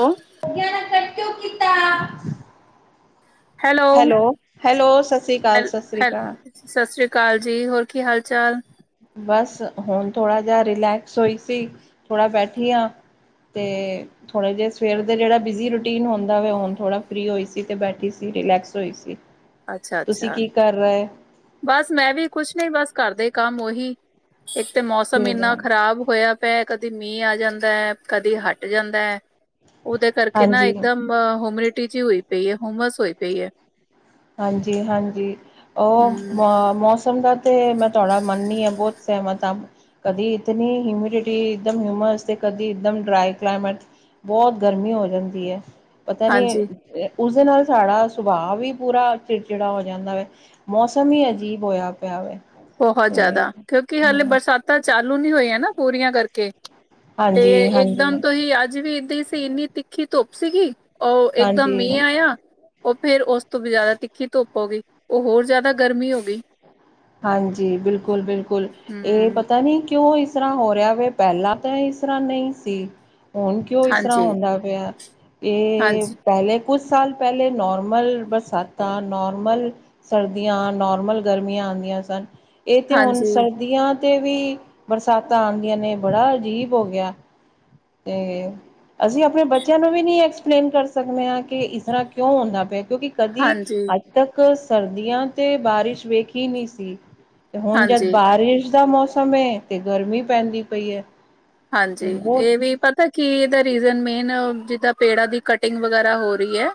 ਹੈਂ- ਕਿਉ ਕੀਤਾ? ਹੈਲੋ, ਹੈਲੋ ਸਤਿ ਸ਼੍ਰੀ ਅਕਾਲ, ਹੈਲ ਸਤਿ ਸ਼੍ਰੀ ਹੈਲ ਅਕਾਲ। ਸਤਿ ਸ੍ਰੀ ਅਕਾਲ ਜੀ, ਹੋਰ ਕੀ ਹਾਲ ਚਾਲ? ਬਸ, ਹੁਣ ਥੋੜ੍ਹਾ ਜਿਹਾ ਰਿਲੈਕਸ ਹੋਈ ਸੀ, ਥੋੜ੍ਹਾ ਬੈਠੀ ਹ ਅਤੇ ਥੋੜੇ ਜਹੇ ਸਵੇਰ ਦਾ ਜਿਹੜਾ ਬੀਜੀ ਰੂਟੀਨ ਹੁੰਦਾ, ਹੁਣ ਥੋੜਾ ਫਰੀ ਹੋਈ ਸੀ ਤੇ ਬੈਠੀ ਸੀ, ਰਿਲੈਕਸ ਹੋਈ ਸੀ। ਤੁਸੀਂ ਅੱਛਾ-ਅੱਛਾ, ਕੀ ਕਰ ਰਹੇ ਹੈ? ਬਸ ਮੈਂ ਵੀ ਕੁਛ ਨ, ਬਸ ਕਰਦੇ ਕੰਮ ਉਹੀ, ਇੱਕ ਤੇ ਮੌਸਮ ਸਵੇਰ ਇੰਨਾ ਦਾ ਖ਼ਰਾਬ ਹੋਇਆ ਪ' ਕਦੀ ਮੀਂਹ ਆ ਜਾਂਦਾ ਹੈ, ਕਦੀ ਹਟ ਜਾਂਦਾ ਹੈ, ਉਹਦੇ ਕਰਕੇ ਨਾ ਹਾਂਜੀ। ਇੱਕਦਮ ਹਮਿਨਿਟੀ ਜਿ ਹੋਈ ਪਈ ਹੈ, ਹੂੰਮਸ ਹੋਈ ਪਈ ਹੈ। ਹਾਂਜੀ-ਹਾਂਜੀ, ਉਹ ਹੂੰ, ਮੌਸਮ ਦਾ ਤੇ ਮੈਂ ਤੁਹਾਡਾ ਮੰਨਨੀ ਹਾਂ, ਬਹੁਤ ਸਹਿਮਤ ਹਾਂ ਕਦੀ ਇਤਨੀ ਹਿਊਮਿਡਿਟੀ ਇੱਕਦਮ ਹਿਊਮਸ, ਕਦੀ ਇੱਕਮ ਡਰਾਾਈ ਕਲਾਈਮੇਟ ਬਹੁਤ ਗਰਮੀ ਹੋ ਜਾਂਦੀ ਹੈ ਪਤਾ ਨੀ, ਹਾਂਜੀ ਉਸਦੇ ਨਾਲ ਸਾਡਾ ਸੁਭਾਅ ਵੀ ਪੂਰਾ ਚਿੜਚਿੜਾ ਹੋ ਜਾਂਦਾ ਵ', ਮੌਸਮ ਹੀ ਅਜੀਬ ਹੋਇਆ ਪਿਆ ਵੈ। ਬਹੁਤ ਜ਼ਿਆਦਾ, ਕਿਉਂਕਿ ਹਾਲੇ ਬਰਸਾਤਾਂ ਚਾਲੂ ਨੀ ਹੋਈਆਂ ਨਾ ਪੂਰੀਆਂ ਕਰਕੇ ਤੇ' ਹਾਂਜੀ ਹਾਂਜੀ ਇੱਕਦਮ ਤੁਸੀ ਅੱਜ ਵੀ ਇਹਦੀ ਸੀ, ਇੰਨੀ ਤਿੱਖੀ ਧੁੱਪ ਸੀਗੀ ਉਹ ਇੱਕਦਮ ਹਾਂਜੀ ਮੀਂ ਆਇਆ ਉਹ ਫੇਰ ਉਸ ਤੋਂ ਵੀ ਜ਼ਿਆਦਾ ਤਿੱਖੀ ਧੁੱਪ ਹੋ ਗਈ, ਉਹ ਹੋਰ ਜ਼ਿਆਦਾ ਗਰਮੀ ਹੋ ਗਈ। ਹਾਂਜੀ, ਬਿਲਕੁਲ-ਬਿਲਕੁਲ, ਇਹ ਹੂੰ ਪਤਾ ਨੀ ਕਿਉਂ ਇਸ ਇਸ ਤਰ੍ਹਾਂ ਹੋ ਰਿਹਾ ਵ', ਪਹਿਲਾਂ ਤਾਂ ਇਸ ਤਰ੍ਹਾਂ ਨਹੀਂ ਸੀ। ਹੁਣ ਕਿਉਂ ਇਸ ਤਰ੍ਹਾਂ ਹਾਂਜੀ ਹੁੰਦਾ ਪਿਆ, ਇਹ ਹਾਂਜੀ ਪਹਿਲੇ ਕੁਛ ਸਾਲ ਪਹਿਲੇ, ਨਾਰਮਲ ਬਰਸਾਤਾ, ਨਾਰਮਲ ਸਰਦੀਆਂ, ਨੋਰਮਲ ਗਰਮੀਆਂ ਆਉਂਦੀਆਂ ਸਨ। ਇਹ ਤੇ ਹੁਣ ਹਾਂਜੀ ਸਰਦੀਆਂ ਤੇ' ਵੀ ਬਰਸਾਤਾਂ ਆਉਂਦੀਆਂ ਨੇ, ਬੜਾ ਅਜੀਬ ਹੋ ਗਿਆ ਤੇ ਅਸੀਂ ਆਪਣੇ ਬੱਚਿਆਂ ਨੂੰ ਵੀ ਨਹੀਂ ਐਕਸਪਲੇਨ ਕਰ ਸਕਦੇ, ਹਾਂ ਕਿ ਇਸ ਤਰ੍ਹਾਂ ਕਿਉਂ ਹੁੰਦਾ ਪਿਆ ਕਿਉਂਕਿ ਕਦੀ ਹਾਂਜੀ ਅੱਜ ਤੱਕ, ਸਰਦੀਆਂ ਤੇ ਬਾਰਿਸ਼ ਵੇਖ ਹੀ ਨਹੀਂ ਸੀ। ਤੇ ਹੁਣ ਜਦ ਹਾਂਜੀ ਬਾਰਿਸ਼ ਦਾ ਮੌਸਮ ਏ, ਤੇ ਗਰਮੀ ਪੈਂਦੀ ਪਈ ਹੈ। ਹਾਂਜੀ, ਬਹੁਤ ਇਹ ਵੀ ਪਤਾ ਕੀ ਇਹਦਾ ਰੀਜ਼ਨ ਮੇਨ, ਜਿਦਾਂ ਪੇੜਾਂ ਦੀ ਕਟਿੰਗ ਵਗੈਰਾ ਹੋ ਰਹੀ ਹੈ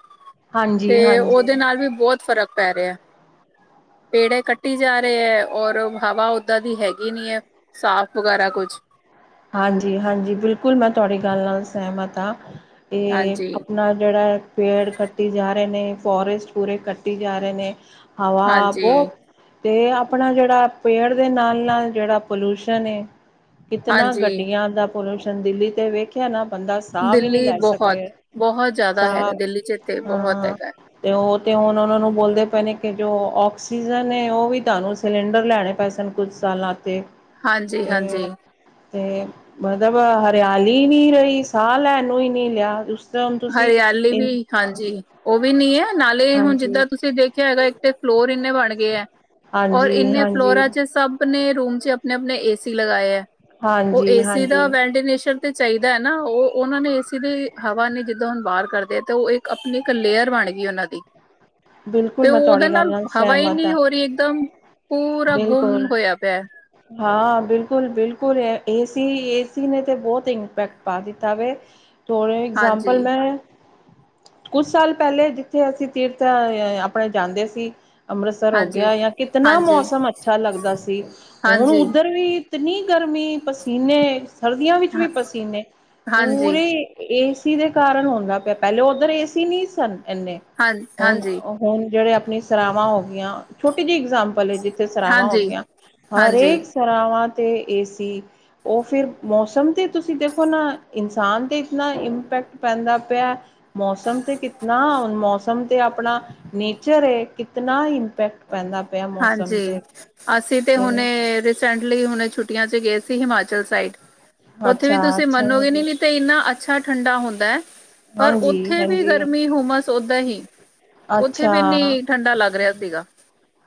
ਹਾਂਜੀ ਤੇ' ਉਹਦੇ ਹਾਂਜੀ ਨਾਲ ਵੀ, ਬਹੁਤ ਫ਼ਰਕ ਪੈ ਰਿਹਾ ਪੇੜੇ ਕੱਟੀ ਜਾ ਰਹੇ ਹੈ, ਔਰ ਹਵਾ ਓਦਾਂ ਦੀ ਹੈਗੀ ਨੀ ਹੈ ਸਾਫ਼ ਵਗੈਰਾ ਕੁੱਛ ਹਾਂਜੀ-ਹਾਂਜੀ, ਬਿਲਕੁਲ ਮੈਂ ਤੁਹਾਡੀ ਗੱਲ ਨਾਲ ਸਹਿਮਤ ਆ। ਏ ਹਾਂਜੀ ਆਪਣਾ ਜੇੜਾ ਯਾ ਪੇੜ ਕੱਟੀ ਜਾ ਰਹੇ ਨੇ, ਫੋਰਸਟ ਪੂਰੇ ਕੱਟੀ ਜਾ ਰਹੇ ਨੇ, ਹਵਾ ਹਾਂਜੀ ਬੋਤ ਤੇ ਆਪਣਾ ਜੇੜਾ ਪੇੜ ਦੇ ਨਾਲ-ਨਾਲ ਜੇੜਾ ਪੋਲਿਊਸ਼ਨ ਏ ਇਤਨਾਂ ਹਾਂਜੀ ਗੱਡੀਆਂ ਦਾ ਪੋਲਿਊਸ਼ਨ ਦਿੱਲੀ ਤੇ ਵੇਖ ਯਾਂ ਨਾ ਬੰਦਾ ਸਾਹ ਵੀ ਨੀ ਦਿੱਲੀ ਲੈ ਸਕ ਬਹੁਤ ਰੇਹਾ ਬਹੁਤ ਜ਼ਿਆਦਾ ਸਾਹ ਹੈਗਾ ਦਿੱਲੀ ਚ ਤੇ ਬਹੁਤ ਹਾਂ ਹੈਗਾ ਤੇ ਓ ਤੇ ਹੁਣ ਓਨਾਂ ਨੂੰ ਬੋਲਦੇ ਪਏ ਨੇ ਕਿ ਜੋ ਆਕਸੀਜਨ ਨੇ ਓਵੀ ਤਾਨੂੰ ਸਿਲੰਡਰ ਲੈਣੇ ਪੈ ਸਨ ਕੁਛ ਸਾਲਾਂ ਤੇ, ਹਾਂਜੀ ਹਾਂਜੀ ਤੇ ਤੇ ਮਤਲਬ ਹਰਿਆਲੀ ਨੀ ਰਹੀ ਸਾਹ ਲੈਣ ਨੂੰ ਈ ਨੀ ਰੇਯਾ ਹਰਿਆਲੀ ਵੀ ਹਾਂਜੀ, ਓ ਵੀ ਨੀ ਐ ਨਾਲੇ ਹੁਣ ਹਾਂਜੀ ਜਿੱਦਾਂ ਤੁਸੀਂ ਦੇਖਿਆ ਹੈਗਾ ਤੇ ਫਲੋਰ ਏਨੇ ਬਣ ਗਏ ਐ ਔਰ ਹਾਂਜੀ ਏਨੇ ਹਾਂਜੀ ਫਲੋਰਾਂ ਚ ਸਭ ਆਪਣੇ ਰੂਮ ਚ' ਆਪਣੇ-ਆਪਣੇ ਏਸੀ ਲਗਾਏ ਏ। ਓ ਹਾਂਜੀ ਏਸੀ ਦਾ ਹਾਂਜੀ ਵਟੀਨਲੇਸ਼ਨ ਤੇ ਚਾਹੀਦਾ ਏ ਨਾ ਓ ਓਨਾਂ ਨੇ ਏਸੀ ਦੀ ਹਵਾ ਨੀ ਜ ਜਦ ਹੁਣ ਬਾਰ ਕਰਦੇ ਆ ਤੇ ਓ ਏਕ ਆਪਣੀ ਏਕ ਲੇਅਰ ਬਣ ਗਈ ਓਨਾਂ ਦੀ ਬਿਲਕੁਲ ਤੇ ਮੈਂ ਉਦੇ ਤੁਹਾਡੀ ਗੱਲ ਨਾਲ ਹਵਾ ਹੀ ਸਹਿਮਤ ਨੀ ਹਾਂ ਹੋ ਰਹੀ ਇਕਦਮ ਬਿਲਕੁਲ ਹਾਂ ਬਿਲਕੁਲ-ਬਿਲਕੁਲ ਏਸੀ-ਏਸੀ ਨੇ ਤੇ ਬੋਤ ਇੰਪੈਕਟ ਪਾ ਦਿੱਤਾ ਵੇ ਫੋਰ ਹਾਂਜੀ ਐਗਜ਼ਾਮਪਲ ਮੈਂ ਕੁਛ ਸਾਲ ਪੈਲੇ ਜਿੱਥੇ ਅਸੀਂ ਤੀਰਥ ਅ ਯਾ ਆਪਣੇ ਜਾਂਦੇ ਸੀ ਅੰਮ੍ਰਿਤਸਰ ਹੋ ਹਾਂਜੀ ਗਿਆ ਜਾਂ ਕਿਤਨਾ ਹਾਂਜੀ ਮੌਸਮ ਅੱਛਾ ਲੱਗਦਾ ਸੀ। ਹੁਣ ਹਾਂਜੀ ਉੱਧਰ ਵੀ ਇਤਨੀ ਗਰਮੀ ਪਸੀਨੇ, ਸਰਦੀਆਂ ਵਿੱਚ ਹਾਂ ਵੀ ਪਸੀਨੇ, ਹਾਂਜੀ, ਪੂਰੇ ਏ ਸੀ ਦੇ ਕਾਰਨ ਹੁੰਦਾ ਪਿਆ। ਪੈਲੇ ਉੱਧਰ ਏ ਸੀ ਨੀ ਸਨ ਏਨੇ ਹਾਂ ਹੁਣ ਹਾਂਜੀ, ਹੁਣ ਜੇੜੇ ਆਪਣੀ ਸਰਾਵਾਂ ਹੋ ਗਈਆਂ। ਛੋਟੀ ਜਿਹੀ ਇਗਜਾਮਪਲ ਸਰਾਵਾਂ ਹੋ ਹਾਂਜੀ, ਗਈਆਂ। ਹਾਂਜੀ, ਹਰੇਕ ਸਰਾਵਾਂ ਤੇ ਏ ਸੀ ਓ ਫਿਰ ਮੌਸਮ ਤੇ ਤੁਸੀਂ ਦੇਖੋ ਨਾ ਇਨਸਾਨ ਤੇ ਇਤਨਾ ਇੰਪੈਕਟ ਪੈਂਦਾ ਪਿਆ। ਮੌਸਮ ਤੇ ਕਿਤਨਾ, ਹੁਣ ਮੌਸਮ ਤੇ ਆਪਣਾ ਨੇਚਰ ਏ ਕਿਤਨਾ ਇੰਪੈਕਟ ਪੈਂਦਾ ਪਿਆ ਮੌਸਮ ਹਾਂਜੀ। ਤੇ ਅਸੀਂ ਤੇ ਹੁਣੇ ਰੀਸੈਂਟਲੀ ਹੁਣੇ ਛੁੱਟੀਆਂ ਚ ਗਏ ਸੀ ਹਿਮਾਚਲ ਸਾਈਡ ਓਥੇ ਵੀ ਅੱਛਾ ਤੁਸੀਂ ਅੱਛਾ ਮੰਨੋਗੇ ਹਾਂਜੀ ਨੀ ਤੇ ਏਨਾ ਅੱਛਾ ਠੰਡਾ ਹੁੰਦਾ ਏ। ਪਰ ਹਾਂਜੀ ਓਥੇ ਵੀ ਹਾਂਜੀ ਗਰਮੀ, ਹੋਮਸ ਔਦਾ ਹੀ, ਓਥੇ ਵੀ ਅੱਛਾ ਨੀ ਠੰਡਾ ਲੱਗ ਰਿਹਾ ਸੀਗਾ।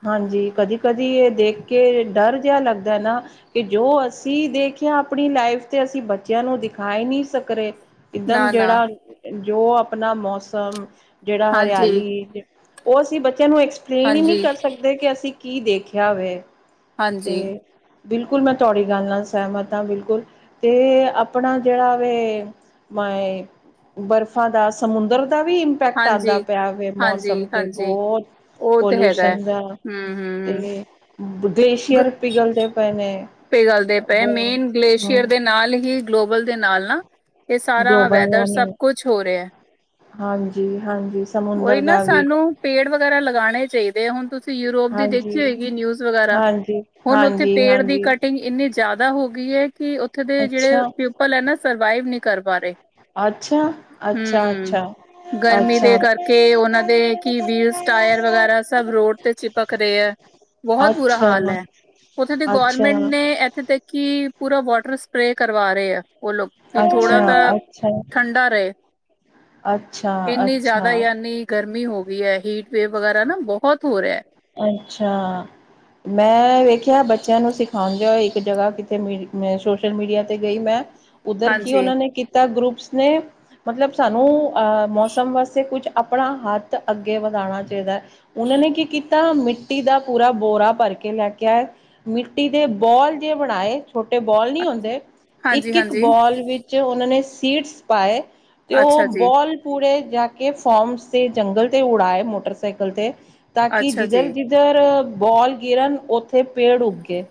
ਹਾਂਜੀ, ਕਦੀ-ਕਦੀ ਏਹ ਦੇਖ ਕੇ ਡਰ ਜੇਹਾ ਲੱਗਦਾ ਏ ਨਾ। ਕਿ ਜੋ ਅਸੀਂ ਦੇਖਿਆ ਆਪਣੀ ਲਾਈਫ ਤੇ ਅਸੀਂ ਬੱਚਿਆਂ ਨੂੰ ਦਿਖਾਈ ਨੀ ਸਕ ਰਹੇ। ਇੱਕਦਮ ਨਾ ਨਾ ਜੇੜਾ ਜੋ ਆਪਣਾ ਮੌਸਮ, ਜੇੜਾ ਹਾਂਜੀ ਹਰਿਆਲੀ ਓ ਅਸੀਂ ਬੱਚਿਆਂ ਨੂੰ ਐਕਸਪਲੇਨ ਈ ਨੀ ਹਾਂਜੀ ਕਰ ਸਕਦੇ ਕਿ ਅਸੀਂ ਕੀ ਦੇਖਿਆ ਵੇ ਤੇ ਹਾਂਜੀ ਬਿਲਕੁਲ ਮੈਂ ਤੁਹਾਡੀ ਗੱਲ ਨਾਲ ਸਹਿਮਤ ਆ। ਬਿਲਕੁਲ ਤੇ ਆਪਣਾ ਜੇੜਾ ਵੇ ਮਾਏ ਬਰਫ਼ਾਂ ਦਾ, ਸਮੁੰਦਰ ਦਾ ਵੀ ਇੰਪੈਕਟ ਹਾਂਜੀ ਆਂਦਾ ਪਿਆ। ਤੇ ਮੌਸਮ ਹਾਂਜੀ ਤੇ ਹਾਂਜੀ ਬੋਤ ਉਹ ਤੇ ਹੈਗਾ ਹੈ ਪੋਲੂਸ਼ਨ ਦਾ ਹਮ ਹਮ ਤੇ‌ ਗਲੇਸ਼ੀਅਰ ਪਿਘਲਦੇ ਪਏ ਨੇ। ਪੇ ਗੱਲਦੇ ਪਏ, ਮੇਨ ਗਲੇਸ਼ੀਅਰ ਦੇ ਨਾਲ ਹੀ ਗਲੋਬਲ ਦੇ ਨਾਲ ਨਾ, ਇਹ ਸਾਰਾ ਗਲੋਬਲ ਵੈਦਰ ਸਭ ਕੁਛ ਹੋ ਰਿਹਾ। ਹਾਂਜੀ-ਹਾਂਜੀ। ਓਈ ਨਾ ਸਾਨੂੰ ਪੇੜ ਵਗੈਰਾ ਲਗਾਣੇ ਚਾਈ ਦੇ ਹੁਣ ਤੁਸੀਂ ਯੂਰੋਪ ਦੀ ਹਾਂਜੀ ਦੇਖੀ ਹੋਏਗੀ ਨਿਊਜ਼ ਵਗੈਰਾ, ਹਾਂਜੀ ਹੁਣ ਓਥੇ ਹਾਂਜੀ ਪੇੜ ਦੀ ਹਾਂਜੀ ਕਟਿੰਗ ਇੰਨੀ ਜ਼ਿਆਦਾ ਹੋ ਗਈ ਏ ਕਿ, ਉੱਥੇ ਦੇ ਜਿਹੜੇ ਅੱਛਾ ਪੀਪਲ ਐ ਨਾ, ਸਰਵਾਈਵ ਨਹੀਂ ਕਰ ਪਾ ਰਹੇ। ਅੱਛਾ, ਅੱਛਾ-ਅੱਛਾ, ਅੱਛਾ। ਕੇ ਉਹਨਾ ਦੇ ਕੀ ਵੀਲਸ-ਟਾਇਰ ਵਗੈਰਾ, ਸਬ ਰੋਡ ਤੇ ਚਿਪਕ ਰਹੇ ਆ। ਬਹੁਤ ਬੁਰਾ ਅੱਛਾ ਹਾਲ ਹੈ, ਉੱਥੇ ਤੇ ਗੌਰਮੈਂਟ ਅੱਛਾ ਨੇ, ਇੱਥੇ ਤੇ ਕੀ, ਪੂਰਾ ਵਾਟਰ ਸਪ੍ਰੇ ਕਰਵਾ ਰਹੇ ਆ, ਉਹ ਲੋਕ। ਕਿ ਅੱਛਾ ਥੋੜਾ ਤਾ ਅੱਛਾ ਅੱਛਾ ਠੰਡਾ ਰਹੇ, ਅੱਛਾ ਇੰਨੀ ਜ਼ਿਆਦਾ ਅੱਛਾ ਇੰਨੀ ਗਰਮੀ ਹੋ ਗਈ ਐ, ਹੀਟ ਵੇੇਵ ਵਗੈਰਾ ਨਾ ਬਹੁਤ ਹੋ ਰਿਹਾ। ਅੱਛਾ! ਮੈਂ, ਵੇਖਿਆ ਬੱਚਿਆਂ ਨੂੰ ਸਿਖਾਉਂਦੇ ਇੱਕ ਜਗ੍ਹਾ ਕਿਥੇ ਮੀ, ਸੋਸ਼ਲ ਮੀਡੀਆ 'ਤੇ ਗਈ ਮੈਂ। ਉੱਧਰ ਕੀ ਹਾਂਜੀ ਉਹਨਾਂ ਨੇ ਕੀਤਾ, ਗਰੁੱਪਸ ਨੇ। ਮਤਲਬ ਸਾਨੂੰ, ਅ ਮੌਸਮ ਵਾਸਤੇ ਕੁਝ ਆਪਣਾ ਹੱਥ ਅੱਗੇ ਵਧਾਣਾ ਚਾਹੀਦਾ। ਉਹਨਾਂ ਨੇ ਕੀ, ਕੀ ਤਾਂ ਮਿੱਟੀ ਦਾ ਪੂਰਾ ਬੋਰਾ ਭਰਕੇ ਲੈਕੇ ਆਏ, ਮਿੱਟੀ ਦੇ ਬੌਲ ਜੇ ਬਣਾਏ। ਛੋਟੇ ਬੌਲ ਨਹੀਂ ਹੋਂਦੇ, ਹਾਂਜੀ ਇੱਕ-ਇੱਕ ਹਾਂਜੀ ਬੌਲ ਵਿੱਚ ਉਹਨਾਂ ਨੇ ਸੀਡਸ ਪਾਏ। ਤੇ ਉਹ ਅੱਛਾ ਜੀ ਬੌਲ ਪੂਰੇ ਜਾਕੇ ਫੌਰਮਸ ਤੇ ਜੰਗਲ 'ਤੇ ਉਡਾਏ ਮੋਟਰਸਾਈਕਲ 'ਤੇ। ਤਾਂ ਕਿ ਅੱਛਾ ਜੀ ਜਿਧਰ-ਜਿਧਰ, ਬੌਲ ਗਿਰਨ ਉੱਥੇ ਪੇੜ ਉੱਗੇ।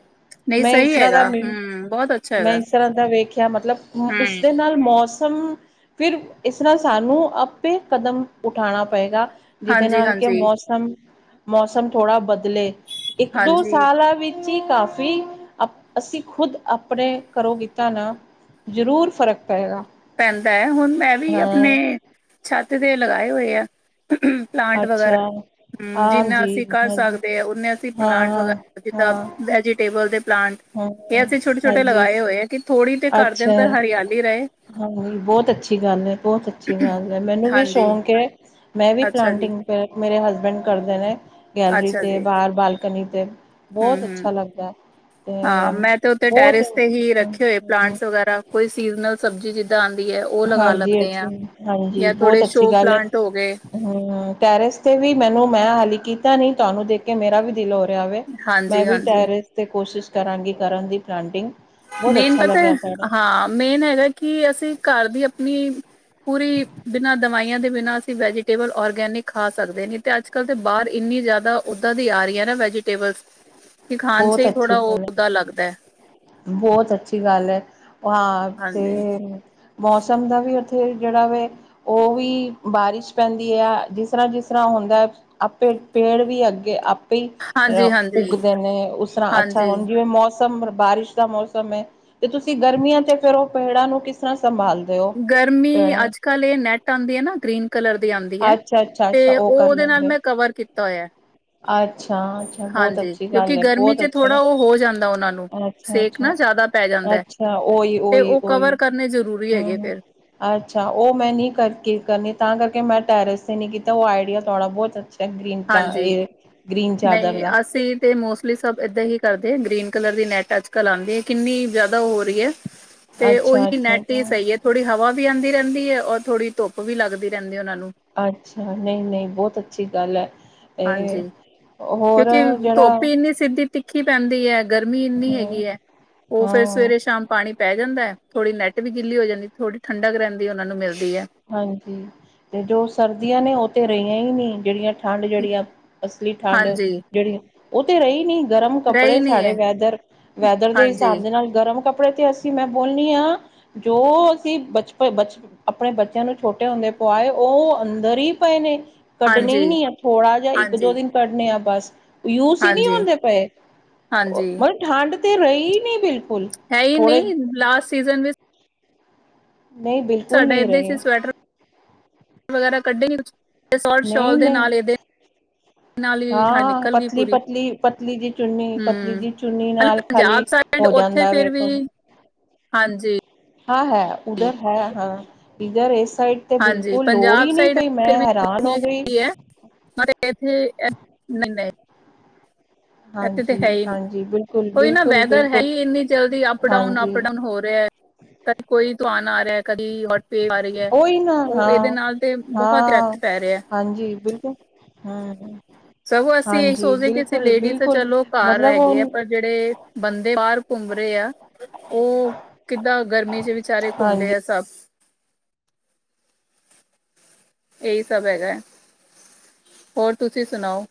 ਨਹੀਂ ਮੈਂ ਇਸ ਸਹੀ ਤਰ੍ਹਾਂ ਦਾ ਹੈਗਾ ਮ, ਹਮ ਬਹੁਤ ਅੱਛਾ ਮੈਂ ਹੈਗਾ ਇਸ ਤਰ੍ਹਾਂ ਦਾ ਵੇਖਿਆ ਮਤਲਬ, ਹਮ ਉਸਦੇ ਨਾਲ ਮੌਸਮ, ਫਿਰ ਇਸਰਾ ਸਾਨੂੰ ਆਪੇ ਕਦਮ ਉਠਾਣਾ ਪਏਗਾ। ਜਿਹਦੇ ਹਾਂਜੀ ਨਾਲ ਕਿ ਹਾਂਜੀ ਮੌਸਮ, ਮੌਸਮ ਥੋੜਾ ਬਦਲੇ, ਇੱਕ-ਦੋ ਹਾਂਜੀ ਸਾਲਾ ਵਿੱਚ ਜ ਕਾਫੀ, ਅ ਅਸੀਂ ਖੁਦ ਆਪਣੇ ਘਰੋ ਕੀਤਾ ਨਾ ਜ਼ਰੂਰ ਫ਼ਰਕ ਪਏਗਾ। ਪੈਂਦਾ ਏ, ਹੁਣ ਮੈਂ ਵੀ ਹਾਂ ਆਪਣੇ ਛੱਤ ਤੇ ਲਗਾਏ ਹੋਏ ਆ। ਪਲਾਂਟ ਵਗੈਰਾ, ਅੱਛਾ ਹੂੰ, ਜਿੰਨਾ ਹਾਂਜੀ ਅਸੀਂ ਕਰ ਹਾਂਜੀ ਸਕਦੇ ਆ ਓਨੇ ਅਸੀਂ ਪਲਾਂਟ ਹਾਂ ਵਗੈਰਾ ਹਾਂ ਜਿੱਦਾਂ [inaudible] ਹਾਂ ਇਹ ਹਾਂ ਅਸੀਂ ਛੋਟੇ-ਛੋਟੇ ਹਾਂਜੀ ਲਗਾਏ ਹੋਏ ਆ, ਕਿ ਥੋੜ੍ਹੀ ਦੇ ਘਰ ਦੇ ਅੰਦਰ ਅੱਛਾ ਹਰਿਆਲੀ ਰਹੇ। ਹਾਂਜੀ, ਬਹੁਤ ਅੱਛੀ ਗੱਲ ਏ, ਬਹੁਤ ਅੱਛ ਗੱਲ ਏ, ਮੈਨੂੰ ਵੀ ਹਾਂਜੀ, ਸ਼ੌਂਕ ਏ, ਮੈਂ ਵੀ ਅੱਛਾ ਜੀ, ਪਲਾਂਟਿੰਗ ਮੇਰੇ ਹਸਬੈਂਡ ਕਰਦੇ ਨੇ। ਗੈਲਰੀ ਅੱਛਾ 'ਤੇ ਜੀ, ਬਾਹਰ ਬਾਲਕਨੀ ਤੇ, ਬਹੁਤ ਅੱਛਾ ਹੂੰ-ਹੂੰ। ਲੱਗਦਾ। ਤੇ ਹਾਂ, ਮੈਂ ਤੇ ਉੱਥੇ ਬਹੁਤ ਟੈਰਿਸ ਤੇ ਹੀ ਰੱਖੇ ਹੋਏ ਪਲਾਂਟਸ ਵਗੈਰਾ, ਕੋਈ ਸੀਜਨਲ ਸਬਜ਼ੀ ਜ ਦਾਂ ਆਂਦੀ ਏ, ਉਹ ਲਗਾ ਹਾਂਜੀ ਲੇਂਨੇ ਆ, ਅੱਛੀ ਯਾ ਥੋੜੇ ਸ਼ੋ ਪਲਾਂਟ ਹੋਗੇ। ਹੂੰ, ਟੈਰਿਸ ਤੇ ਵੀ ਮੈਨੂੰ ਮੈਂ ਹਾਲੀ ਕੀਤਾ ਨੀ, ਤੁਹਾਨੂੰ ਦੇਖਕੇ ਮੇਰਾ ਵੀ ਦਿਲ ਹੋ ਰਿ ਮੈਂ ਵੀ ਹਾਂਜੀ-ਹਾਂਜੀ ਟੈਰਿਸ ਤੇ ਕੋਸ਼ਿਸ਼ ਕਰਾਂਗੀ ਕਰਨ ਦੀ, ਪਲਾਂਟਿੰਗ। ਬਹੁਤ ਮੇਨ ਅੱਛਾ ਪਤਾ ਏ, ਲੱਗਿਆ ਤੁਹਾਡਾ ਹਾਂ, ਮੇਨ ਹੈਗਾ ਕਿ ਅਸੀਂ ਘਰ ਦੀ ਅਪਨੀ ਪੂਰੀ ਬਿਨਾਂ ਦਵਾਈਆਂ ਦੇ, ਬਿਨਾਂ ਅਸੀਂ ਵੈਜੀਟੇਬਲ ਔਰਗੈਨਿਕ ਖਾ ਸਕਦੇ ਨਹੀ ਤੇ ਅੱਜ ਅੱਜ-ਕਲ ਤੇ ਬਾਹਰ ਇੰਨੀ ਜਿਆਦਾ ਓਦਾਂ ਦੀ ਆ ਰਹੀ ਆ ਨਾ [inaudible] ਕਿ ਖਾਣ'ਚ ਬਹੁਤ ਹੀ ਅੱਛੀ ਥੋੜਾ, ਓ ਗੱਲ ਓਦਾਂ ਲੱਗਦੈ। ਬਹੁਤ ਅੱਛੀ ਗੱਲ ਏ, ਹਾਂ, ਹਾਂਜੀ ਤੇ ਮੌਸਮ ਦਾ ਵੀ ਉੱਥੇ, ਜਿਹੜਾ ਵੇ ਓਹ ਵੀ ਬਾਰਿਸ਼ ਪੈਂਦੀ ਆ, ਜਿਸ ਤਰ੍ਹਾਂ ਜਿਸ ਤਰ੍ਹਾਂ ਹੁੰਦੈ ਆਪੇ, ਪੇੜ ਵੀ ਅੱਗੇ ਆਪੇ ਈ ਹਾਂਜੀ ਹਾਂਜੀ ਉੱਗਦੇ ਨੇ, ਉਸ ਤਰ੍ਹਾਂ ਅੱਛਾ ਹਾਂਜੀ ਹੁਣ ਵੀ ਜਿਵੇਂ ਮੌਸਮ, ਬਾਰਿਸ਼ ਦਾ ਮੌਸਮ ਏ, ਤੇ ਤੁਸੀਂ ਗਰਮੀਆਂ ਤੇ ਫੇਰ ਉਹ ਪੇੜਾਂ ਨੂੰ ਕਿਸ ਤਰ੍ਹਾਂ ਸੰਭਾਲ ਗਰਮੀ, ਅੱਜ-ਕੱਲ ਇਹ ਨੈੱਟ ਆਂਦੀ ਆ ਨਾ, ਗ੍ਰੀਨ ਕਲਰ ਦੀ ਆਂਦੀ ਐ, ਅੱਛਾ ਅੱਛਾ ਅੱਛਾ ਤੇ ਉਹ ਕਰ ਉਹਦੇ ਨਾਲ ਲੈਂਦੇ ਮੈਂ ਕਵਰ ਕੀਤਾ ਹੋਇਆ। ਅੱਛਾ ਅੱਛਾ ਬਹੁਤ ਹਾਂਜੀ, ਅੱਛੀ ਕਿਉਂਕਿ ਗੱਲ ਹੈ ਬਹੁਤ ਗਰਮੀ'ਚ ਅੱਛਾ ਥੋੜ੍ਹਾ ਉਹ ਹੋ ਜਾਂਦਾ ਉਹਨਾਂ ਨੂੰ। ਅੱਛਾ ਸੇਕ ਅੱਛਾ ਨਾ ਜ਼ਿਆਦਾ ਪੈ ਜਾਂਦਾ ਐ, ਅੱਛਾ ਉਹੀ ਤੇ ਉਹੀ ਉਹ ਕਵਰ ਉਹੀ ਕਰਨੇ ਜ਼ਰੂਰੀ ਹੇਗੇ। ਹਮ ਅੱਛਾ, ਉਹ ਮੈਂ ਨਹੀਂ ਕਰਕੇ ਕਰਨੀ, ਤਾਂ ਕਰਕੇ ਮੈਂ ਟੈਰਿਸ ਨੀ ਕੀਤਾ, ਉਹ ਆਈਡੀਆ ਥੋੜ੍ਹਾ ਬਹੁਤ ਅੱਛਾ ਗ੍ਰੀਨ ਹਾਂਜੀ ਗ੍ਰੀਨ ਚਾਦਰ ਨਹੀਂ, ਦਾ ਅਸੀਂ ਤੇ ਮੋਸਟਲੀ ਸਭ ਇਏਦਾਂ ਹੀ ਕਰਦੇ, ਗ੍ਰੀਨ ਕਲਰ ਦੀ ਨੈਟ ਅੱਜ ਕਲ ਆਉਂਦੀ ਹੈ, ਕਿੰਨੀ ਜ਼ਿਆਦਾ ਉਹ ਹੋ ਰਹੀ ਹੈ ਤੇ ਉਹੀ, ਅੱਛਾ ਅੱਛਾ ਨੈਟ ਹੀ ਅੱਛਾ ਸਹੀ ਹੈ ਥੋੜ੍ਹੀ ਹਵਾ ਵੀ ਆਉਂਦੀ ਰਹਿੰਦੀ ਹੈ, ਔਰ ਥੋੜੀ ਧੁੱਪ ਵੀ ਲੱਗਦੀ ਰਹਿੰਦੀ ਹੈ ਉਹਨਾ ਨੂੰ। ਅੱਛਾ, ਨਹੀਂ ਨਹੀਂ, ਬਹੁਤ ਅੱਛੀ ਗੱਲ ਹੈ ਇਹ। ਹਾਂਜੀ ਹੋਰ ਕਿਉਂਕਿ ਜਿਹੜਾ ਧੋਪੀ, ਇੰਨੀ ਸਿੱਧੀ ਤਿੱਖੀ ਪੈਂਦੀ ਹੈ, ਗਰਮੀ ਇੰਨੀ ਹਾਂ ਹੈਗੀ ਹੈ। ਉਹ ਫੇਿਰ, ਹਾਂ ਸਵੇਰੇ ਸ਼ਾਮ ਪਾਣੀ ਪੈ ਜਾਂਦਾ ਹੈ, ਥੋੜ੍ਹੀ ਨੈੱਟ ਵੀ ਗਿੱਲੀ ਹੋ ਜਾਂਦੀ, ਥੋੜ੍ਹੀ ਠੰਡਕ ਰਹਿੰਦੀ ਉਹਨਾ ਨੂੰ ਮਿਲਦੀ ਹੈ। ਹਾਂਜੀ, ਤੇ ਜੋ ਸਰਦੀਆਂ ਨੇ ਉਹ ਤੇ ਰਹੀਆਂ ਹੀ ਨਹੀਂੀ, ਜਿਹੜੀਆਂ ਠੰਡ ਜਿਹੜੀ ਆ, ਅਸਲੀ ਠੰਡ ਹਾਂਜੀ ਜਿਹੜੀ, ਉਹ ਤੇ ਰਹੀ ਨਹੀਂੀ। ਗਰਮ ਕੱਪੜੇ ਰਹੀ ਨਹੀਂ ਸਾਡੇ ਹੈ ਵੈਦਰ, ਵੈਦਰ ਦੇ ਹਾਂਜੀ ਹਿਸਾਬ ਦੇ ਨਾਲ ਗਰਮ ਕੱਪੜੇ ਤੇ ਮੈਂ ਬੋਲਣੀ ਹਾਂ, ਜੋ ਅਸੀਂ ਬਚਪਨ ਬਚ ਆਪਣੇ ਬੱਚਿਆਂ ਨੂੰ ਛੋਟੇ ਹੁੰਦੇ ਪਆਏ, ਉਹ ਅੰਦਰ ਹੀ ਪਏ ਨੇ ਕੱਢਣੇ ਹੀ ਹਾਂਜੀ ਨਹੀਂ, ਆ ਥੋੜਾ ਜਿ ਇੱਕ ਹਾਂਜੀ ਦੋ ਦਿਨ ਕੱਢਣੇੇ ਆ ਬਸ ਯੂਸ ਹੀ ਨਹੀਂ ਹਾਂਜੀ ਆੁੰਦੇ ਪਏ, ਹਾਂਜੀ ਮਤਲ ਠੰਡ ਤਾਂ ਰਹੀ ਨਹੀਂ ਬਿਲਕੁਲ ਹੈ ਹੀ ਥੋੜੇ ਨਹੀ, ਲਾਸਟ ਸੀਜਨ ਵਿੱਚ ਨਹੀਂ, ਬਿਲਕੁਲ ਸਾਡਾ ਨਹੀਂ ਏਦੇਾਂ 'ਚ, ਰਹੇ ਸਵੈਟਰ ਵਗੈਰਾ ਕੱਢੇ ਸਾਲਟ ਨਹੀਂ ਸ਼ਾਲ ਦੇ ਨਹੀਂ ਨਾਲ, ਇਹਦੇ ਨਾਲ ਹੀ ਠ ਹਾਂ ਨਿਕਲ ਗਈ ਪਤਲੀ ਪੂਰੀ, ਪਤਲੀ ਪਤਲੀ ਜੀ ਚੁੰਨੀ ਪਤਲੀ ਹਮ, ਜੀ ਚੁੰਨੀ ਹਾਲੀ ਨਾਲ ਪੰਜਾਬ ਖਾਲੀ ਸ ਪਿੰਡ ਹੋ ਉੱਥੇ ਜਾਂਦਾ ਵੇ ਫਿਰ ਵੀ, ਕੋਲ। ਹਾਂਜੀ ਹਾਂ ਹੈ, ਉਧਰ ਹੈ ਹਾਂ, ਇਧਰ ਇਸ ਸਾਈਡ ਤੇ ਹਾਂਜੀ ਬਿਲਕੁਲ ਲੋੜ ਪੰਜਾਬ ਹੀ ਨਹੀਂੀ ਸਾਈਡ ਪਈ, ਮੈਂ ਹੈਰਾਨ ਹੋ ਗਈ ਮ ਇਹਥੇ ਨਹੀਂ, ਨਹੀਂ ਇੱਥੇ ਤਾਂ ਹੈ ਹਾਂਜੀ ਹੀ ਨਹੀਂ, ਹਾਂਜੀ ਬਿਲਕੁਲ ਕੋਈ ਨਾ ਬਿਲਕੁਲ ਵੈਦਰ ਹੈ ਬਿਲਕੁਲ ਹੀ ਇੰਨੀ ਜਲਦੀ ਅਪ ਡਾਊਨ, ਹਾਂਜੀ ਅਪ ਡਾਊਨ ਹੋ ਰਿਹਾ ਹੈ। ਕਦੀ ਕੋਈ ਤੂੰ ਆ ਨਾ ਆ ਰਿਹਾ, ਕਦੀ ਵੇਵ ਆ ਰਹੀ ਹੈ ਉਹੀ ਨਾ, ਉਹ ਇਹਦੇ ਹਾਂ, ਨਾਲ ਤੇ ਬਹੁਤ ਹਾਂ ਇਫੈਕਟ ਪੈ ਰਿਹਾ ਹਾਂਜੀ, ਬਿਲਕੁਲ ਹਾਂ। ਸਗੋਂ ਅਸੀਂ ਇਹੀ ਸੋਚਦੇ, ਕਿ ਅਸੀਂ ਲੇਡੀਜ਼ ਤਾਂ ਚਲੋ ਘਰ ਮਤਲਬ ਰਹਿ ਗਈ ਉਹ ਪਰ ਜਿਹੜੇ ਬੰਦੇ, ਬਾਹਰ ਘੁੰਮ ਰਹੇ ਆ ਉਹ ਕਿੱਦਾਂ, ਗਰਮੀ 'ਚ ਵਿਚਾਰੇ ਹਾਂਜੀ ਘੁੰਮਦੇ ਆ ਸਭ ਇਹੀ ਸਭ ਹੈਗਾ ਹੈ, ਹੋਰ ਤੁਸੀਂ ਸੁਣਾਓ?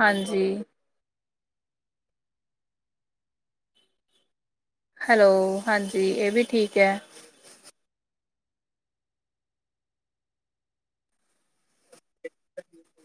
ਹਾਂਜੀ। ਹੈਲੋ, ਹਾਂਜੀ, ਇਹ ਵੀ ਠੀਕ ਹੈ। ਅੱ [inaudible]